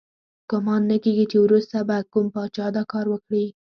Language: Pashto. ګمان نه کیږي چې وروسته به کوم پاچا دا کار وکړي.